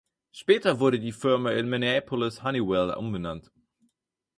Später wurde die Firma in "Minneapolis-Honeywell" umbenannt.